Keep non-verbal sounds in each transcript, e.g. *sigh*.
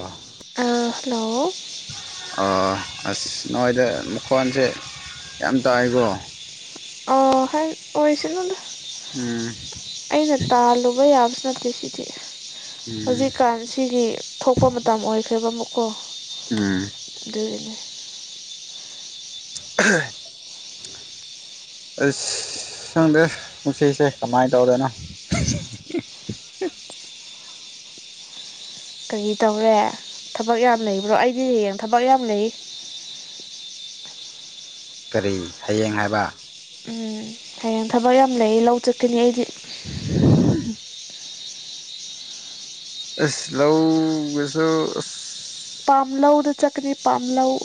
ꯑ ꯑ ꯍꯜꯂꯣ ꯑ ꯑꯁ ꯅꯣꯏꯗ ꯃꯈꯣꯟꯁꯦ ꯌꯥꯝ ꯇꯥꯏꯀꯣ ꯑ ꯑꯣꯏꯁꯅꯣꯗ ꯎꯝ ꯑꯩꯅ ꯇꯥꯜꯂꯨꯕ ꯌꯥꯕ ꯅꯠꯇꯦ ꯁꯤꯗꯤ ꯎꯝ ꯍꯧꯖꯤꯛꯀꯥꯟ ꯁꯤꯒꯤ ꯊꯣꯛꯄ ꯃꯇꯝ ꯑꯣꯏꯈ꯭ꯔꯦꯕ ꯑꯃꯨꯛꯀꯣ ꯑꯝ ꯑꯗꯨꯅꯦ ꯑ ꯁꯪꯗꯦ ꯄꯨꯟꯁꯤꯁꯦ ꯀꯃꯥꯏꯅ ꯇꯧꯗꯣꯏꯅꯣ *unintelligible* ꯀꯔꯤ ꯇꯧꯔꯦ ꯊꯕꯛ ꯌꯥꯝ ꯂꯩꯕ꯭ꯔꯣ ꯑꯩꯗꯤ ꯍꯌꯦꯡ ꯊꯕꯛ ꯌꯥꯝ ꯂꯩ *unintelligible* ꯀꯔꯤ ꯍꯌꯦꯡ ꯍꯥꯏꯕ ꯎꯝ ꯍꯌꯦꯡ ꯊꯕꯛ ꯌꯥꯝ ꯂꯩ ꯂꯧ ꯆꯠꯀꯅꯤ ꯑꯩꯗꯤ ꯑ ꯁꯤꯂꯁꯨ ꯄꯥꯝꯂꯧꯗ ꯆꯠꯀꯅꯤ ꯄꯥꯝ ꯂꯧꯧ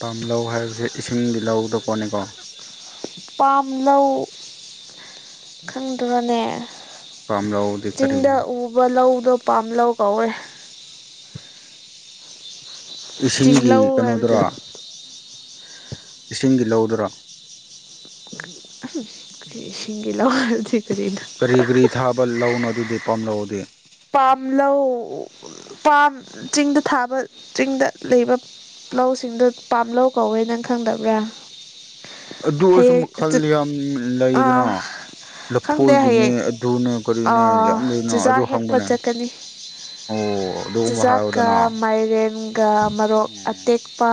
ꯄꯥꯝ ꯂꯧ ꯍꯥꯏꯕꯁꯦ ꯏꯁꯤꯡꯒꯤꯗꯤ ꯂꯧꯗ ꯄꯣꯠꯅꯤꯀꯣ ꯄꯥꯝ ꯂꯧ ꯈꯪꯗ꯭ꯔꯅꯦ ꯄꯥꯝꯂꯧꯗꯤ ꯆꯤꯡꯗ ꯀꯔꯤꯅꯣ ꯎꯕ ꯂꯧꯗꯣ ꯄꯥꯝ ꯂꯧ ꯀꯧꯔꯦ ꯆꯤꯡ ꯏꯁꯤꯡꯒꯤ ꯂꯧ ꯍꯥꯏꯕꯗꯣ ꯀꯩꯅꯣꯗꯨꯔ ꯏꯁꯤꯡꯒꯤ ꯂꯧꯗ꯭ꯔꯥ ꯒ ꯂ ꯀꯔꯤ ꯀꯔꯤ ꯊꯥꯕ ꯂꯧꯅꯣ ꯑꯗꯨꯗꯤ ꯄꯥꯝꯂꯛꯧꯗ ꯄꯥꯝ ꯂꯧ ꯄꯥꯝ ꯆꯤꯡꯗ ꯊꯥꯕ ꯆꯤꯡꯗ ꯂꯩꯕ ꯂꯧ ꯂꯧꯁꯤꯡꯗꯨ ꯄꯥꯝ ꯂꯧꯧ ꯀꯧꯋꯦ ꯅꯪ ꯈꯪꯗꯕ꯭ꯔꯥ ꯑꯗꯨ ꯑꯣꯏꯔꯁꯨ ꯍꯌꯦꯡ ꯃꯈꯜ ꯌꯥꯝ ꯑ ꯂꯩꯗꯅ ꯈꯪꯗꯦ ꯂꯐꯣꯏꯒꯤꯅꯦ ꯍꯌꯦꯡ ꯑꯗꯨꯅꯦ ꯀꯔꯤꯅꯦ ꯌꯥꯝ ꯂꯩꯅ ꯆꯤꯖꯥꯛ ꯑꯗꯨ ꯍꯦꯛꯄ ꯍꯪꯕꯅꯦ ꯆꯠꯀꯅꯤ ꯑꯣ ꯑꯗꯨꯒꯨꯝꯕ ꯆꯨꯖꯥꯛꯀ ꯍꯥꯏꯌꯨꯗꯅ ꯃꯥꯏꯔꯦꯟꯒ ꯃꯔꯣꯛ ꯎꯝ ꯑꯇꯦꯛꯄ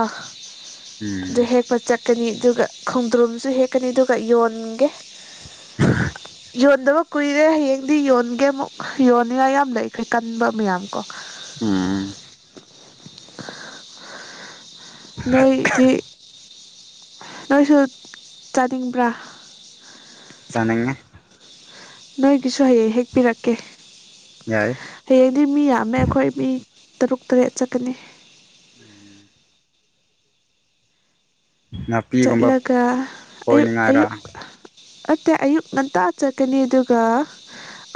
ꯑꯗꯨ ꯎꯝ ꯍꯦꯛꯄ ꯆꯠꯀꯅꯤ ꯑꯗꯨꯒ ꯈꯣꯡꯗ꯭ꯔꯨꯝꯁꯨ ꯍꯦꯛꯀꯅꯤ ꯑꯗꯨꯒ ꯌꯣꯟꯒꯦ ꯌꯣꯟꯗꯕ ꯀꯨꯏꯔꯦ ꯍꯌꯦꯡꯗꯤ ꯌꯣꯟꯒꯦ ꯑꯃꯨꯛ ꯌꯣꯟꯅꯤꯉꯥꯏ ꯌꯥꯝ ꯂꯩꯈ꯭ꯔꯦ ꯀꯟꯕ ꯃꯌꯥꯝ ꯀꯣ ꯎꯝ ꯅꯣꯏꯗꯤ ꯅꯣꯏꯁꯨ ꯆꯥꯅꯤꯡꯕ꯭ꯔꯥ ꯆꯅꯤꯡꯦ ꯅꯣꯏꯒꯤꯁꯨ ꯍꯌꯦꯡ ꯍꯦꯛꯄꯤꯔꯛꯀꯦ ꯌꯥꯏ ꯍꯌꯦꯡꯗꯤ ꯃꯤ ꯌꯥꯝꯃꯦ ꯑꯩꯈꯣꯏ ꯃꯤ ꯇꯔꯨꯛ ꯇꯔꯦꯠ ꯆꯠꯀꯅꯤ ꯎꯝ ꯅꯥꯄꯤꯒꯨꯝꯕ ꯆꯠꯂꯒ ꯑꯌꯨꯛ ꯑꯌꯨꯛ ꯐꯣꯏꯅꯤꯡꯉꯥꯏꯔ ꯑꯠꯇꯦ ꯑꯌꯨꯛ ꯉꯟꯇꯥ ꯆꯠꯀꯅꯤ ꯑꯗꯨꯒ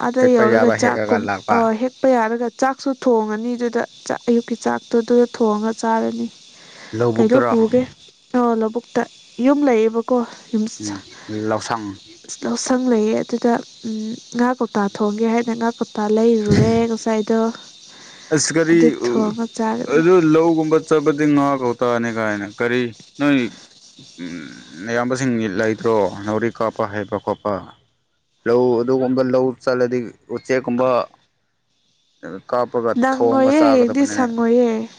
ꯑꯗ ꯍꯦꯛꯄ ꯌꯧꯔꯒ ꯌꯥꯕ ꯍꯦꯛꯑꯒ ꯆꯥꯛꯀꯨꯝ ꯑ ꯂꯥꯛꯄ ꯍꯦꯛꯄ ꯌꯥꯔꯒ ꯆꯥꯛꯁꯨ ꯊꯣꯡꯉꯅꯤ ꯑꯗꯨꯗ ꯆꯥꯛ ꯑꯌꯨꯛꯀꯤ ꯆꯥꯛꯇꯨꯗꯨꯗ ꯊꯣꯡꯉꯒ ꯆꯥꯔꯅꯤ ꯀꯩꯅꯣ ꯂꯧꯕꯨꯛꯇꯔꯣ ꯄꯨꯒꯦ ꯑ ꯂꯧꯕꯨꯛꯇ ꯌꯨꯝ ꯂꯩꯌꯦꯕ ꯀꯣ ꯌꯨꯝ ꯎꯝ ꯂꯧꯁꯪ ꯂꯧꯁꯪ ꯂꯩꯌꯦ ꯑꯗꯨꯗ ꯉꯍꯥꯛ ꯀꯧꯇꯥ ꯊꯣꯡꯒꯦ ꯍꯥꯏꯗꯅ ꯀꯧꯇꯥ ꯂꯩꯔꯨꯔꯦ ꯉꯁꯥꯏꯗꯣ ꯑꯁ ꯀꯔꯤ ꯑꯗꯨ ꯊꯣꯡꯉ ꯆꯥꯒꯅꯤ ꯑꯗꯨ ꯂꯧꯒꯨꯝꯕ ꯆꯕ ꯉꯒꯣꯇꯥ ꯑꯅꯤ ꯀꯅ ꯀꯔꯤ ꯅ ꯑꯌꯥꯝꯕꯁꯤꯡ ꯂꯩꯇ꯭ꯔꯣ ꯅꯥꯎꯔꯤ ꯀꯥꯞꯄ ꯍꯩꯕ ꯈꯣꯠꯄ ꯂꯧ ꯑꯗꯨꯒꯨꯝꯕ ꯂꯧ ꯆꯜꯂꯗꯤ ꯎꯆꯦꯛꯀꯨꯝꯕ ꯀꯥꯞꯄꯒ ꯊꯣꯡꯒ ꯅꯪꯉꯣꯏꯌꯦ ꯍꯌꯦꯡꯗꯤ ꯆꯥꯒꯗꯕꯅꯤꯅꯦ ꯁꯪꯉꯣꯏꯌꯦ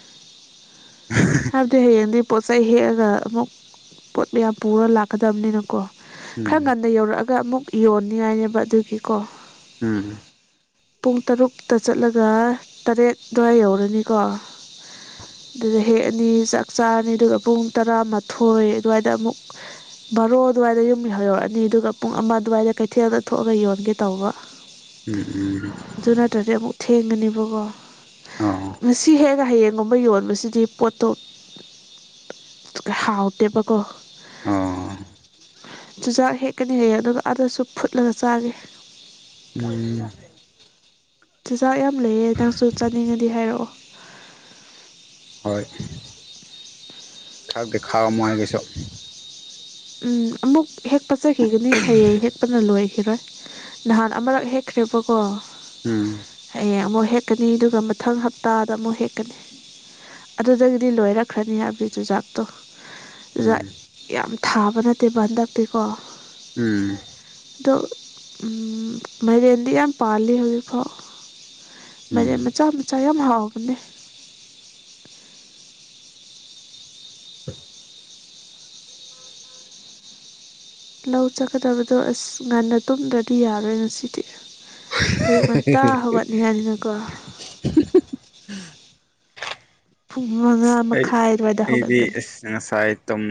ꯍꯥꯏꯕꯗꯤ ꯍꯌꯦꯡꯗꯤ ꯄꯣꯠ ꯆꯩꯩ ꯍꯦꯛꯑꯒ ꯑꯃꯨꯛ ꯄꯣꯠ ꯃꯌꯥꯝ ꯄꯨꯔ ꯂꯥꯛꯀꯗꯕꯅꯤꯅꯀꯣ ꯎꯝ ꯈꯔ ꯉꯟꯅ ꯌꯧꯔꯛꯑꯒ ꯑꯃꯨꯛ ꯌꯣꯟꯅꯤꯡꯉꯥꯏꯅꯦꯕ ꯑꯗꯨꯒꯤꯀꯣ ꯎꯝ ꯄꯨꯡ ꯇꯔꯨꯛꯇ ꯆꯠꯂꯒ ꯇꯔꯦꯠ ꯑꯗꯨꯋꯥꯏ ꯌꯧꯔꯅꯤꯀꯣ ꯑꯗꯨꯗ ꯍꯦꯛꯑꯅꯤ ꯆꯥꯛ ꯆꯥꯔꯅꯤ ꯑꯗꯨꯒ ꯄꯨꯡ ꯇꯔꯥꯃꯥꯊꯣꯏ ꯑꯗꯨꯋꯥꯏꯗ ꯑꯃꯨꯛ ꯕꯥꯔꯣ ꯑꯗꯨꯋꯥꯏꯗ ꯌꯨꯝ ꯌꯔꯛꯑꯅꯤ ꯑꯗꯨꯒ ꯄꯨꯡ ꯑꯃ ꯑꯗꯨꯋꯥꯏꯗ ꯀꯩꯊꯦꯜꯗ ꯊꯣꯛꯑꯒ ꯌꯣꯟꯒꯦ ꯇꯧꯕ ꯎꯝ ꯎꯝ ꯑꯗꯨ ꯅꯠꯇ꯭ꯔꯗꯤ ꯑꯃꯨꯛ ꯊꯦꯡꯒꯅꯦꯕꯀꯣ ꯑꯣ ꯉꯁꯤ ꯍꯦꯛꯒ ꯍꯌꯦꯡꯒꯨꯝꯕ ꯌꯣꯟꯕꯁꯤꯗꯤ ꯄꯣꯠꯇꯣꯛ ꯍꯥꯎꯇ ꯒꯣ ꯑꯣ ꯆꯨꯖꯥꯛ ꯍꯦꯛꯀꯅꯤ ꯍꯦꯛꯌꯦ ꯑꯗꯨꯒ ꯑꯥꯗꯁꯨ ꯐꯨꯠꯂꯒ ꯆꯥꯒꯦ ꯃ *inaudible* ꯆꯨꯖꯥꯛ ꯌꯥꯝ ꯂꯩꯌꯦ ꯅꯪꯁꯨ ꯆꯥꯅꯤꯡꯉꯗꯤ ꯍꯥꯏꯔꯛꯑꯣ ꯍꯣꯏ ꯊꯔꯗ ꯈꯥ ꯑꯃꯥꯏ ꯀꯩꯁ ꯎꯝ ꯑꯃꯨꯛ ꯍꯦꯛ ꯆꯠꯈꯤꯒꯅꯤ ꯍꯌꯦꯡ ꯍꯦꯛꯄꯅ ꯂꯣꯏ ꯏꯔꯣꯏ ꯅꯍꯥꯟ ꯑꯃꯔꯛ ꯍꯦꯛꯈ꯭ꯔꯦꯕꯀꯣ ꯎꯝ ꯍꯌꯦꯡ ꯑꯃꯨꯛ ꯍ ꯍꯦꯛꯀꯅꯤ ꯑꯗꯨꯒ ꯃꯊꯪ ꯍꯞꯇꯥꯗ ꯑꯃꯨꯛ ꯍꯦꯛꯀꯅꯤ ꯑꯗꯨꯗꯒꯤꯗꯤ ꯂꯣꯏꯔꯛꯈ꯭ꯔꯅꯤ ꯍꯥꯏꯕꯗꯤ ꯆꯨꯖꯥꯛꯇꯣ ꯑꯗꯨꯗ ꯎꯝ ꯌꯥꯝ ꯊꯥꯕ ꯅꯠꯇꯦ ꯍꯟꯗꯛꯇꯤꯀꯣ ꯎꯝ ꯑꯗꯣ ꯃꯥꯏꯔꯦꯟꯗꯤ ꯌꯥꯝ ꯄꯥꯜꯂꯤ ꯍꯧꯖꯤꯛꯐꯥꯎ ꯃꯥꯏꯔꯦꯟ ꯎꯝ ꯃꯆꯥ ꯃꯆꯥ ꯌꯥꯝ ꯍꯥꯎꯕꯅꯦ ꯂꯧ ꯆꯠꯀꯗꯕꯗꯣ ꯑꯁ ꯉꯟꯅ ꯇꯨꯝꯗ꯭ꯔꯗꯤ ꯌꯥꯔꯣꯏ ꯉꯁꯤꯗꯤ ꯑꯌꯨꯛ ꯉꯟꯇꯥ ꯍꯧꯒꯠꯅꯤ ꯍꯥꯏꯅꯤꯅꯀꯣ ꯄꯨꯡ ꯃꯉꯥ ꯑꯩ ꯃꯈꯥꯏ ꯑꯗꯨꯋꯥꯏꯗ ꯏꯗꯤ ꯍꯧꯒꯠꯀꯅꯤ ꯉꯁꯥꯏ ꯇꯨꯝ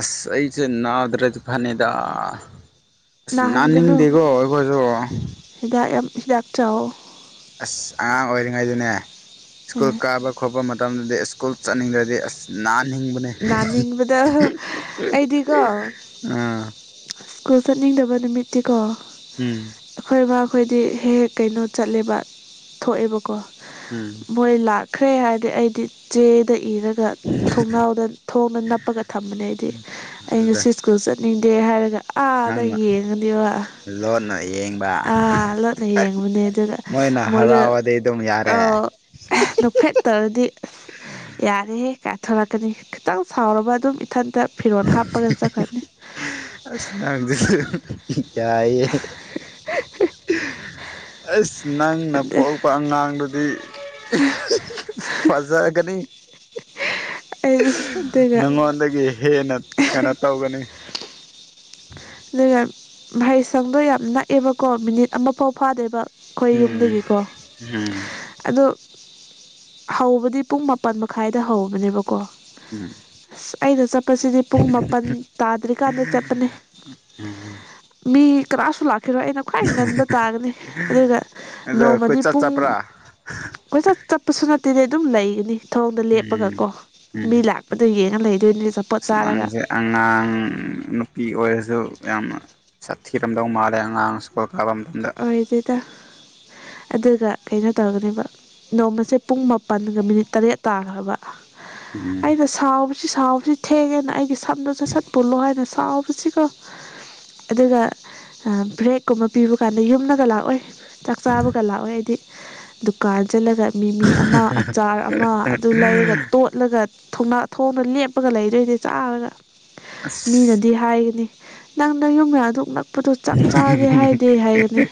ꯑꯁ ꯅꯥꯗ꯭ꯔꯗꯤ ꯐꯅꯤꯗ ꯑꯁ ꯅꯥꯍꯟꯒꯅꯨ ꯅꯥꯅꯤꯡꯗꯦꯀꯣ ꯑꯩꯈꯣꯏꯁꯨ ꯗꯥꯛꯇ ꯆꯥꯎ ꯑꯁ ꯑꯉꯥꯡ ꯑꯣꯏꯔꯤꯉꯩꯗꯅꯦ ꯁ꯭ꯀꯨꯜ ꯎꯝ ꯀꯥꯕ ꯈꯣꯠꯄ ꯃꯇꯝꯗꯗꯤ ꯑ ꯁ꯭ꯀꯨꯜ ꯆꯠꯅꯤꯡꯗ꯭ꯔꯗꯤ ꯑꯁꯅꯥ ꯅꯥꯅꯤꯡꯕꯗ ꯑꯩꯗꯤꯀꯣ ꯑꯥ ꯁ꯭ꯀꯨꯜ ꯆꯠꯅꯤꯡꯗꯕ ꯅꯨꯃꯤꯠꯇꯤꯀꯣ ꯎꯝ ꯑꯩꯈꯣꯏꯕ ꯈꯣꯏꯗꯤ ꯍꯦꯛ ꯍꯦꯛ ꯀꯩꯅꯣ ꯆꯠꯂꯦꯕ ꯊꯣꯛꯑꯦꯕꯀꯣ ꯎꯝ ꯃꯣꯏ ꯂꯥꯛ ꯈ꯭ꯔꯦ ꯍꯥꯏꯔꯗꯤ ꯑꯩꯗꯤ ꯆꯦꯗ ꯏꯔꯒ ꯊꯣꯡꯅꯥꯎ ꯊꯣꯡꯅ ꯅꯞꯄꯒ ꯊꯝꯕꯅꯦ ꯑꯩꯗꯤ ꯎꯝ ꯑꯩ ꯑꯗꯨꯗ ꯉꯁꯤ ꯁ꯭ꯀꯨꯜ ꯆꯠꯅꯤꯡꯗꯦ ꯍꯥꯏꯔꯒ ꯑꯥꯗ ꯅꯪꯅ ꯌꯦꯡꯉꯅꯦꯕ ꯂꯣꯟꯅ ꯌꯦꯡꯕ ꯑꯥ ꯂꯣꯠꯅ ꯌꯦꯡꯉꯨꯕꯅꯦ ꯑꯗꯨꯒ ꯃꯣꯏꯅ ꯃꯣꯏꯗ ꯍꯔꯥꯎꯔꯗꯤ ꯑꯗꯨꯝ ꯑ ꯌꯥꯔꯦ ꯅꯣꯛꯐꯦ ꯇꯔꯗꯤ ꯌꯥꯔꯍꯦ ꯀꯥꯏꯊꯔꯛꯀꯅꯤ ꯈꯤꯇꯪ ꯁꯥꯎꯔꯕ ꯑꯗꯨꯝ ꯏꯊꯟꯇ ꯐꯤꯔꯣꯜ ꯍꯥꯞꯄꯒ ꯆꯠꯈꯅꯤ ꯑꯁ ꯅ *inaudible* ꯌꯥꯏꯌꯦ ꯑꯁ ꯅꯪꯅ ꯄꯣꯛꯄ ꯑꯉꯥꯡꯗꯨꯗꯤ ꯐꯖꯥꯒꯅꯤ ꯑꯩꯗꯤ ꯑꯗꯨꯒ ꯅꯪꯉꯣꯟꯗꯒꯤ ꯍꯦꯟꯅ ꯀꯩꯅꯣ ꯇꯧꯒꯅꯤ ꯑꯗꯨꯒ ꯃꯍꯩꯁꯪꯗꯣ ꯌꯥꯝ ꯅꯛꯑꯦꯕꯀꯣ ꯃꯤꯅꯤꯠ ꯑꯃꯐꯥꯎ ꯐꯥꯗꯦꯕ ꯈꯣꯏ ꯎꯝ ꯌꯨꯝꯗꯒꯤꯀꯣ ꯎꯝ ꯑꯗꯣ ꯍꯧꯕꯗꯤ ꯄꯨꯡ ꯃꯥꯄꯜ ꯃꯈꯥꯏꯗ ꯍꯧꯕꯅꯦꯕꯀꯣ ꯎꯝ ꯑꯁ ꯑꯩꯅ ꯆꯠꯄꯁꯤꯗꯤ ꯄꯨꯡ ꯃꯥꯄꯜ ꯇꯥꯗ꯭ꯔꯤꯀꯥꯟꯗ ꯆꯠꯄꯅꯦ ꯎꯝ ꯃꯤ ꯀꯅꯁꯨ ꯂꯥꯛ ꯈꯔꯣ ꯑꯩꯅ ꯈ꯭ꯋꯥꯏ ꯉꯟꯕ ꯇꯥꯒꯅꯤ ꯑꯗꯨꯒ ꯑꯗꯣ ꯅꯣꯡꯃꯗꯤ ꯀꯣꯏꯆꯠ ꯄꯨꯡ ꯆꯠꯄ꯭ꯔꯥ ꯀꯣꯏ ꯆꯠ ꯆꯠꯄꯁꯨꯅ ꯗꯤ ꯑꯗꯨꯝ ꯂꯩꯒꯅꯤ ꯊꯔꯣꯡꯗ ꯎꯝ ꯂꯦꯞꯄꯒꯀꯣ ꯎꯝ ꯃꯤ ꯂꯥꯛꯄꯗ ꯌꯦꯡꯉ ꯂꯩ ꯅꯪꯁꯦ ꯑꯉꯥꯡ ꯅꯨꯄꯤ ꯑꯣꯏꯔꯁꯨ ꯌꯥꯝꯅ ꯆꯠꯊꯤꯔꯝꯗꯧ ꯃꯥꯜꯂꯦ ꯑꯉꯥꯡ ꯁ꯭ꯀꯣꯜ ꯑꯣꯏꯗꯤꯗ ꯑꯗꯨꯒ ꯀꯩꯅꯣ ꯇꯧꯔꯒꯅꯦꯕ ꯅꯣꯡꯃꯁꯦ ꯄꯨꯡ ꯃꯥꯄꯟꯒ ꯃꯤꯅꯤꯠ ꯇꯔꯦꯠ ꯇꯥꯈ꯭ꯔꯕ ꯎꯝ ꯑꯩꯅ ꯁꯥꯎꯕꯁꯤ ꯁꯥꯎꯕꯁꯤ ꯊꯦꯡꯉꯦꯅ ꯑꯩꯒꯤ ꯁꯝꯗꯨꯣ ꯆꯠ ꯁꯠ ꯄꯨꯜꯂꯣ ꯍꯥꯏꯅ ꯁꯥꯎꯕꯁꯤꯀꯣ ꯑꯗꯨꯒ ꯕ꯭ꯔꯦꯛꯀꯨꯝꯕ ꯄꯤꯕ ꯀꯥꯟꯗ ꯌꯨꯝꯅꯒ ꯂꯥꯛꯑꯣꯏ ꯆꯥꯛ ꯆꯥꯕꯒ ꯂꯥꯛꯑꯣꯏ ꯑꯩꯗꯤ ꯗꯨꯀꯥꯟ ꯆꯠꯂꯒ ꯃꯤꯃꯤ ꯑꯃ ꯑꯆꯥꯔ ꯑꯃ ꯑꯗꯨ ꯂꯩꯔꯒ ꯇꯣꯠꯂꯒ ꯊꯅꯥ ꯊꯣꯡꯅ ꯂꯦꯞꯄꯒ ꯂꯩꯔꯦꯅꯦ ꯆꯥꯔꯒ ꯑꯁ ꯃꯤꯅꯗꯤ ꯍꯥꯏꯌꯦꯅꯦ ꯅꯪꯅ ꯌꯨꯝ ꯃꯌꯥꯗꯨ ꯅꯛꯄꯗꯣ ꯆꯥꯛ ꯆꯥꯒꯦ ꯍꯥꯏꯗꯦ ꯍꯥꯏꯌꯦꯅꯦ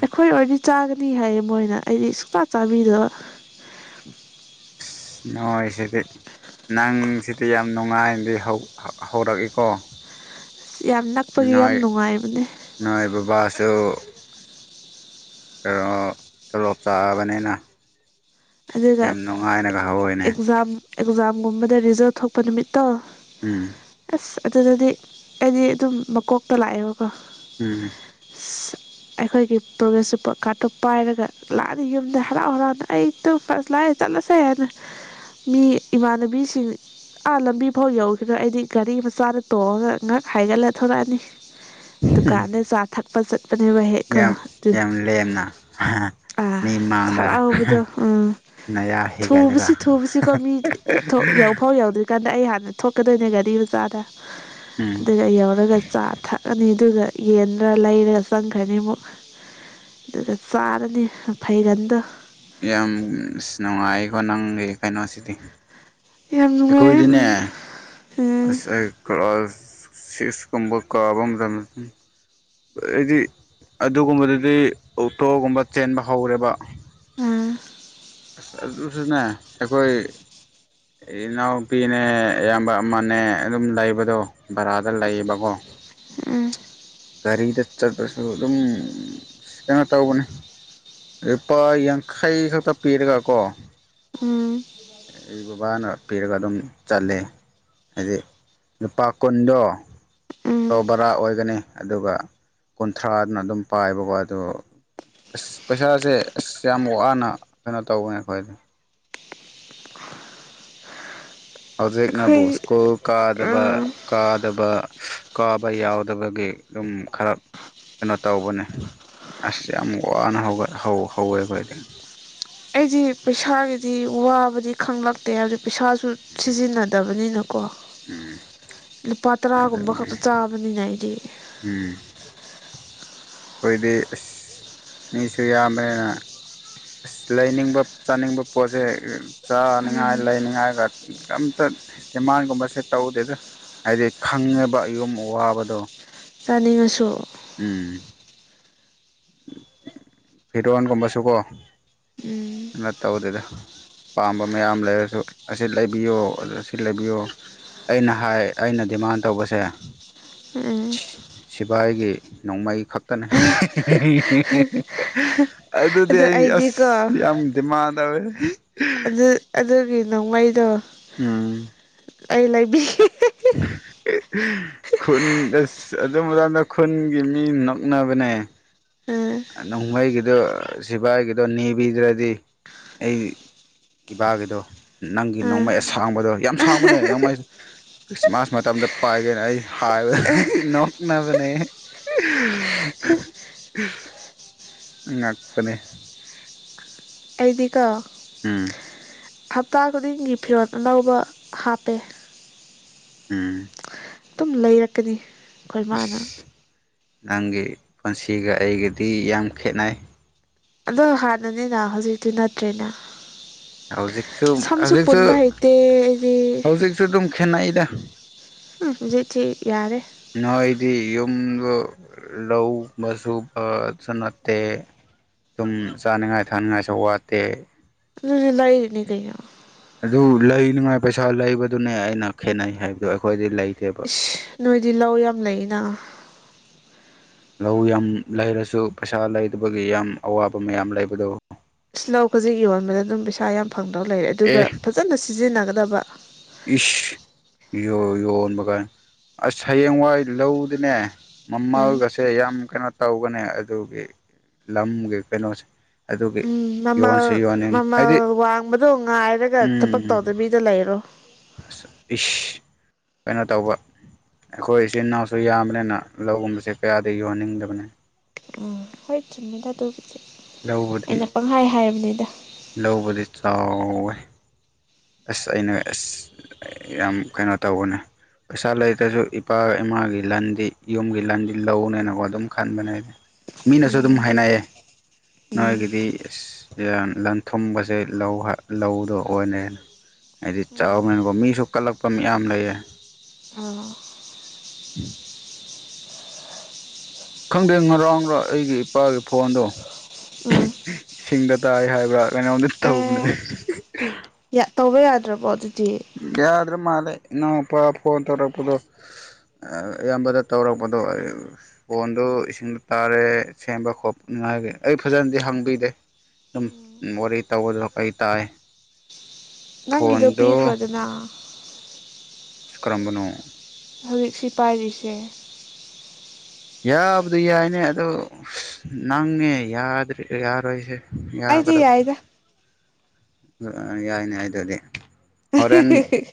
ꯑꯩꯈꯣꯏ ꯑꯣꯏꯔꯗꯤ ꯆꯥꯒꯅꯤ ꯍꯥꯏꯌꯦ ꯃꯣꯏꯅ ꯑꯩꯗꯤ ꯁꯨꯛꯆꯥ ꯆꯥꯕꯤꯗꯕ *unintelligible* ꯅꯪꯁꯤꯗꯤ ꯌꯥꯝ ꯅꯨꯡꯉꯥꯏꯅꯗꯤ ꯍꯧ ꯍꯧ ꯍꯧꯔꯛꯏꯀꯣ ꯌꯥꯝ ꯅꯛꯄꯒꯤ ꯌꯥꯝ ꯅꯣꯏ ꯅꯨꯡꯉꯥꯏꯕꯅꯦ ꯅꯣꯏ ꯕꯕꯥꯁꯨ ꯀꯩꯑꯣ ꯇꯂꯣꯞ ꯆꯥꯕꯅꯤꯅ ꯑꯗꯨꯒ ꯌꯥꯝ ꯅꯨꯡꯉꯥꯏꯅꯒ ꯍꯧꯏꯅꯦ ꯑꯦꯛꯖꯥꯝ ꯑꯦꯛꯖꯥꯝꯒꯨꯝꯕꯗ ꯔꯤꯖꯜ ꯊꯣꯛꯄ ꯅꯨꯃꯤꯠꯇꯣ ꯎꯝ ꯑꯁ ꯑꯗꯨꯗꯗꯤ ꯑꯩꯗꯤ ꯑꯗꯨꯝ ꯃꯀꯣꯛꯇ ꯂꯥꯛꯑꯦꯕꯀꯣ ꯎꯝ ꯑꯁ ꯑꯩꯈꯣꯏꯒꯤ ꯄ꯭ꯔꯣꯒ꯭ꯔꯦꯁ ꯔꯤꯄꯣꯔꯠ ꯀꯥꯔꯠꯇꯣ ꯄꯥꯏꯔꯒ ꯂꯥꯛꯑꯅꯤ ꯌꯨꯝꯗ ꯍꯔꯥꯎ ꯍꯔꯥꯎꯅ ꯑꯩ ꯇꯨ ꯕꯁ ꯂꯥꯛꯑꯦ ꯆꯠꯂꯁꯦ ꯑꯗꯨ ꯃꯤ ꯏꯃꯥꯟꯅꯕꯤꯁꯤꯡ ꯑꯥ ꯂꯝꯕꯤ ꯐꯥꯎ ꯌꯧꯈꯤꯔꯣꯏ ꯑꯩꯗꯤ ꯒꯥꯔꯤ ꯃꯆꯥꯗ ꯇꯣꯡꯉꯥꯒ ꯉꯛ ꯍꯥꯏꯒꯠꯂ ꯊꯧꯔꯛꯑꯅꯤ ꯗꯨꯀꯥꯟꯗ ꯆꯥ ꯊꯛꯄ ꯆꯠ ꯑꯗꯨ ꯋꯥꯍꯦꯛꯀꯣ ꯌꯥꯝ ꯑꯗꯨ ꯌꯥꯝ ꯂꯦꯝꯅ ꯑꯥ ꯃꯤ ꯃꯥꯡꯗ ꯍꯔꯥꯎꯕꯗꯣ ꯎꯝ ꯅꯌꯥ ꯍꯦꯒꯠꯂꯒ ꯊꯨꯕꯁꯤ ꯊꯨꯕꯁꯤꯀꯣ ꯃꯤ ꯌꯥꯎꯐꯥꯎ ꯌꯥꯎꯗ꯭ꯔꯤ ꯀꯥꯟ ꯑꯗꯥ ꯑꯩ ꯍꯥꯟꯅ ꯊꯣꯛꯀꯗꯣꯏꯅꯦ ꯒꯥꯔꯤ ꯃꯆꯥꯗ ꯎꯝ ꯑꯗꯨꯒ ꯌꯧꯔꯒ ꯆꯥ ꯊꯛꯑꯅꯤ ꯑꯗꯨꯒ ꯌꯦꯟꯔ ꯂꯩꯔꯒ ꯆꯪꯈ꯭ꯔꯅꯤ ꯑꯃꯨꯛ ꯑꯗꯨꯗ ꯆꯥꯔꯅꯤ ꯃꯐꯩꯒꯟꯗꯣ ꯌꯥꯝ ꯏꯁ ꯅꯨꯡꯉꯥꯏꯀꯣ ꯅꯪꯒꯤ ꯀꯩꯅꯣꯁꯤꯗꯤ ꯌꯥꯝ ꯅꯨꯡꯉꯥꯏ ꯑꯩꯈꯣꯏꯗꯤꯅꯦ ꯎꯝ ꯑꯁ ꯑ *unintelligible* ꯁꯤꯁ ꯀꯨꯝꯕ ꯀꯥꯕꯝ ꯔ *unintelligible* ꯑꯩꯗꯤ ꯑꯗꯨꯒꯨꯝꯕꯗꯗꯤ ꯑꯣꯇꯣꯒꯨꯝꯕ ꯆꯦꯟꯕ ꯍꯧꯔꯦꯕ ꯑꯝ ꯑꯁ ꯑꯗꯨꯁꯨꯅꯦ ꯑꯩꯈꯣꯏ ꯏꯅꯥꯎꯄꯤꯅꯦ ꯏꯌꯥꯝꯕ ꯑꯃꯅꯦ ꯑꯗꯨꯝ ꯂꯩꯕꯗꯣ ꯚꯔꯥꯗ ꯂꯩꯌꯦꯕꯀꯣ ꯎꯝ ꯒꯥꯔꯤꯗ ꯆꯠꯄꯁꯨ ꯑꯗꯨꯝ ꯀꯩꯅꯣ ꯇꯧꯕꯅꯦ ꯂꯨꯄꯥ ꯌꯥꯡꯈꯩ ꯈꯛꯇ ꯄꯤꯔꯒ ꯀꯣ ꯎꯝ ꯑꯩ ꯕꯕꯥꯅ ꯄꯤꯔꯒ ꯑꯗꯨꯝ ꯆꯠꯂꯦ ꯍꯥꯏꯗꯤ ꯂꯨꯄꯥ ꯀꯨꯟꯗꯣ ꯎꯝ ꯑꯣꯇꯣ ꯕꯔꯥ ꯑꯣꯏꯒꯅꯤ ꯑꯗꯨꯒ ꯀꯨꯟꯊ꯭ꯔꯥꯗꯨꯅ ꯑꯗꯨꯝ ꯄꯥꯏꯕꯀꯣ ꯑꯗꯨ ꯑꯁ ꯄꯩꯁꯥꯁꯦ ꯑꯁ ꯌꯥꯝ ꯋꯥꯅ ꯀꯩꯅꯣ ꯇꯧꯕꯅꯦ ꯑꯩꯈꯣꯏꯗꯤ ꯍꯧꯖꯤꯛꯅꯕꯨ ꯑꯩꯈꯣꯏ ꯁ꯭ꯀꯨꯜ ꯀꯥ ꯗꯕ ꯑꯥ ꯀꯥꯗꯕ ꯀꯥꯕ ꯌꯥꯎꯗꯕꯒꯤ ꯑꯗꯨꯝ ꯈꯔ ꯀꯩꯅꯣ ꯇꯧꯕꯅꯦ ꯑꯁ ꯌꯥꯝ ꯋꯥꯅ ꯍꯧꯒꯠ ꯍꯧ ꯍꯧꯋꯦ ꯑꯩꯈꯣꯏꯗꯤ ꯑꯩꯗꯤ ꯄꯩꯁꯥꯒꯤꯗꯤ ꯋꯥꯕꯗꯤ ꯈꯪꯂꯛꯇꯦ ꯍꯥꯏꯕꯗꯤ ꯄꯩꯁꯥꯁꯨ ꯁꯤꯖꯤꯟꯅꯗꯕꯅꯤꯅ ꯑꯝꯝ ꯂꯨꯄꯥ ꯇꯔꯥꯒꯨꯝꯕ ꯈꯛꯇ ꯆꯥꯕꯅꯤꯅ ꯑꯩꯗꯤ ꯎꯝ ꯑꯩꯈꯣꯏꯗꯤ ꯑꯁ ꯃꯤꯁꯨ ꯌꯥꯝꯃꯦ ꯑꯁ ꯂꯩꯅꯤꯡꯕ ꯆꯥꯅꯤꯡꯕ ꯄꯣꯠꯁꯦ ꯆꯥꯅꯤꯡꯉꯥꯏ ꯎꯝ ꯂꯩꯅꯤꯡꯉꯥꯏꯒ ꯑꯝꯇ ꯗꯤꯃꯥꯟꯒꯨꯝꯕꯁꯦ ꯇꯧꯗꯦꯗ ꯍꯥꯏꯗꯤ ꯈꯪꯉꯦꯕ ꯌꯨꯝ ꯑꯋꯥꯕꯗꯣ ꯆꯥꯅꯤꯡꯉꯁꯨ ꯎꯝ ꯐꯤꯗꯣꯟꯒꯨꯝꯕꯥꯁꯨꯀꯣ ꯎꯝ ꯑꯃꯠꯇ ꯎꯗꯦꯗ ꯄꯥꯝꯕ ꯃꯌꯥꯝ ꯂꯩꯔꯁꯨ ꯑꯁꯤ ꯂꯩꯕꯤꯌꯣ ꯑꯗꯨ ꯑꯁꯤ ꯂꯩꯕꯤꯌꯣ ꯑꯩꯅ ꯍꯥꯏ ꯑꯩꯅ ꯗꯤꯃꯥꯟ ꯇꯧꯕꯁꯦ ꯎꯝ ꯁꯤꯐꯥꯏꯒꯤ ꯅꯣꯡꯃꯩ ꯈꯛꯇꯅꯦ ꯑꯗꯨꯗꯤ ꯑꯗꯣ ꯑꯩ ꯑꯁ ꯑꯩꯗꯤꯀꯣ ꯌꯥꯝ ꯗꯤꯃꯥꯟ ꯇꯧꯋꯦ ꯑꯗꯨ ꯑꯗꯨꯒꯤ ꯅꯣꯡꯃꯩꯗꯣ ꯎꯝ ꯑꯩ ꯂꯩꯕꯤ *unintelligible* ꯈꯨꯟ ꯑꯁ ꯑꯗꯨ ꯃꯇꯝꯗ ꯈꯨꯟꯒꯤ ꯃꯤ ꯅꯛꯅꯕꯅꯦ ꯎꯝ ꯅꯣꯡꯃꯩꯒꯤꯗꯣ ꯁꯤꯕꯥꯏꯒꯤꯗꯣ ꯅꯤꯕꯤꯗ꯭ꯔꯗꯤ ꯑꯩ ꯏꯄꯥꯒꯤꯗꯣ ꯅꯪꯒꯤ ꯎꯝ ꯅꯣꯡꯃꯩ ꯑꯁꯥꯡꯕꯗꯣ ꯌꯥꯝ ꯁꯥꯡꯕꯅꯦ ꯅꯣꯡꯃꯩ ꯈ꯭ꯔꯤꯁꯃꯥꯁ ꯃꯇꯝꯗ ꯄꯥꯏꯒꯦꯅ ꯑꯩ ꯍꯥꯏꯕ ꯅꯣꯛꯅꯕꯅꯦ *unintelligible* ꯉꯛꯄꯅꯦ ꯑꯩꯗꯤꯀꯣ ꯎꯝ ꯍꯞꯇꯥ ꯈꯨꯗꯤꯡꯒꯤ ꯐꯤꯔꯣꯜ ꯑꯅꯧꯕ ꯍꯥꯞꯄꯦ ꯎꯝ ꯑꯗꯨꯝ ꯂꯩꯔꯛꯀꯅꯤ ꯑꯩꯈꯣꯏ ꯃꯥꯅ ꯑꯁ ꯅꯪꯒꯤ ꯄꯨꯟꯁꯤꯒ ꯑꯩꯒꯗꯤ ꯌꯥꯝ ꯈꯦꯠꯅꯩ ꯑꯗꯣ ꯍꯥꯟꯅꯅꯤꯅ ꯍꯧꯖꯤꯛꯇꯤ ꯅꯠꯇ꯭ꯔꯦꯅ ꯍꯧꯖꯤꯛꯁꯨ ꯁꯝꯁꯨ ꯍꯧꯖꯤꯛꯁꯨ ꯄꯨꯟꯕ ꯍꯩꯇꯦ ꯑꯩꯗꯤ ꯍꯧꯖꯤꯛꯁꯨ ꯑꯗꯨꯝ ꯈꯦꯅꯥꯏꯗ ꯎꯝ ꯍꯧꯖꯤꯛꯁꯤ ꯌꯥꯔꯦ ꯅꯣꯏꯗꯤ ꯂꯧ ꯃꯁꯨꯕ ꯁꯅꯥꯇꯦ ꯑꯗꯨꯝ ꯆꯥꯅꯉꯥꯏ ꯊꯛꯅꯤꯡꯉꯥꯏꯁꯨ ꯋꯥꯠꯇꯦ ꯑꯗꯨꯖꯨ ꯂꯥꯏꯔꯤꯅꯤ ꯀꯩꯅꫭ ꯑꯗꯨ ꯂꯩꯅꯤꯉꯥꯏ ꯄꯩꯁꯥ ꯂꯩꯕꯗꯨꯅꯦ ꯑꯩꯅ ꯈꯦꯠꯅꯩ ꯍꯥꯏꯕꯗꯣ ꯑꯩꯈꯣꯏꯗꯤ ꯂꯩꯇꯦꯕ ꯏꯁ ꯅꯣꯏꯗꯤ ꯂꯧ ꯌꯥꯝ ꯂꯩꯅ ꯂꯧ ꯌꯥꯝ ꯂꯩꯔꯁꯨ ꯄꯩꯁꯥ ꯂꯩꯗꯕꯒꯤ ꯌꯥꯝ ꯑꯋꯥꯕ ꯃꯌꯥꯝ ꯂꯩꯕꯗꫭ ꯏꯁ ꯂꯧ ꯈꯖꯤꯛ ꯌꯣꯟꯕꯗ ꯑꯗꯨꯝ ꯄꯩꯁꯥ ꯌꯥꯝ ꯐꯪꯗꯕ ꯂꯩꯔꯦ ꯑꯗꯨꯒ ꯑꯦ ꯐꯖꯅ ꯁꯤꯖꯤꯟꯅꯒꯗꯕ ꯏꯁ ꯌꯣ ꯌꯣꯟꯕ ꯀꯥꯏꯅ ꯑꯁ ꯍꯌꯦꯡꯋꯥꯏ ꯂꯧꯗꯤꯅꯦ ꯃꯃꯥꯜ ꯎꯝ ꯒꯁꯦ ꯌꯥꯝ ꯀꯅ ꯇꯧꯒꯅꯦ ꯑꯗꯨꯒꯤ ꯂꯝꯒꯤ ꯀꯩꯅꯣꯁꯦ ꯑꯗꯨꯒꯤ ꯎꯝ ꯃꯃꯜ ꯌꯣꯟꯁꯨ ꯌꯣꯟꯅꯤꯡ ꯃꯃꯜ ꯍꯥꯏꯗꯤ ꯋꯥꯡꯕꯗꯣ ꯉꯥꯏꯔꯒ ꯊꯕꯛ ꯎꯝ ꯇꯧꯗꯕꯤꯗ ꯂꯩꯔꯣ ꯑꯁ ꯏꯁ ꯀꯩꯅꯣ ꯇꯧꯕ ꯑꯩꯈꯣꯏ ꯏꯆꯤꯟ ꯏꯅꯥꯎꯁꯨ ꯌꯥꯝꯕꯅꯤꯅ ꯂꯧꯒꯨꯝꯕꯁꯦ ꯀꯌꯥꯗꯤ ꯌꫭꯟꯅꯤꯡꯗꯕꯅꯤ ꯎꯝ ꯍꯣꯏ ꯆꯨꯝꯃꯦꯗ ꯑꯗꯨꯕꯨꯗꯤ ꯑꯩꯅ ꯄꯪꯍꯥꯏ ꯍꯥꯏꯕꯅꯤꯗ ꯂꯧꯕꯨꯗꯤ ꯆꯥꯎꯋꯦ ꯑꯁ ꯑꯩꯅ ꯑꯁ ꯌꯥꯝ ꯀꯩꯅꯣ ꯇꯧꯕꯅꯦ ꯄꯩꯁꯥ ꯂꯩꯇ꯭ꯔꯁꯨ ꯏꯄꯥ ꯏꯃꯥꯒꯤ ꯂꯟꯗꯤ ꯌꯨꯝꯒꯤ ꯂꯟꯗꯤ ꯂꯧꯅꯦꯅꯀꯣ ꯑꯗꯨꯝ ꯈꯟꯕꯅꯦꯗꯤ ꯑꯩꯗꯤ ꯃꯤꯅꯁꯨ ꯑꯗꯨꯝ ꯎꯝ ꯍꯥꯏꯅꯥꯌꯦ ꯎꯝ ꯅꯣꯏꯒꯤꯗꯤ ꯑꯁ ꯂꯟꯊꯨꯝꯕꯁꯦ ꯂꯧ ꯂꯧꯗꯣ ꯑꯣꯏꯅꯦ ꯑꯩꯗꯤ ꯆꯞ ꯃꯥꯅꯩꯀꫭ ꯃꯤꯁꯨ ꯀꯂꯛꯄ ꯃꯌꯥꯝ ꯂꯩꯑꯦ ꯑꯥ *unintelligible* ꯈꯪꯗꯦ ꯉꯔꯥꯡꯔ ꯑꯩꯒꯤ ꯏꯄꯥꯒꯤ ꯐꯣꯟꯗꯣ ꯎꯝ ꯏꯁꯤꯡꯗ ꯇꯥꯏ ꯍꯥꯏꯕ꯭ꯔ ꯀꯩꯅꯣꯝꯗꯤ ꯇꯧꯕꯅꯦ ꯌ ꯇꯧꯕ ꯌꯥꯗ꯭ꯔꯕꯣ ꯑꯗꯨꯗꯤ ꯌꯥꯗ꯭ꯔ ꯃꯥꯂꯦ ꯏꯅꯥꯎꯄꯥ ꯐꯣꯟ ꯇꯧꯔꯛꯄꯗꯣ ꯑꯌꯥꯝꯕꯗ ꯇꯧꯔꯛꯄꯗꯣ ꯐꫭꯟꯗꫭ ꯏꯁꯤꯡꯗ ꯇꯥꯔꯦ ꯁꯦꯝꯕ ꯈꯣꯠꯄꯥꯏ ꯃꯥꯒꯤ ꯑꯩ ꯐꯖꯅꯗꯤ ꯍꯪꯕꯤꯗꯦ ꯑꯗꯨꯝ ꯋꯥꯔꯤ ꯇꯧꯕꯗ ꯀꯩ ꯇꯥꯏ ꯅꯪꯒꯤꯗꯣ ꯐꯣꯟꯗꯣ ꯄꯤꯈ꯭ꯔꯣꯗꯅ ꯑꯁ ꯀꯔꯝꯕꯅꯣ ꯍꯧꯖꯤꯛ ꯁꯤꯄꯥꯏꯔꯤꯁꯦ ꯌꯥꯕꯨꯗꯤ ꯌꯥꯏꯅꯦ ꯑꯗꯣ ꯑꯁ ꯅꯪꯅꯦ ꯌꯥꯗ ꯌꯥꯔꯣꯏꯁꯦ ꯑꯩꯗꯤ ꯌꯥꯏꯗ ꯌꯥꯏꯅꯦ‌ ꯑꯗꯨꯗꯤ ꯍꯣꯔꯦꯟ *unintelligible*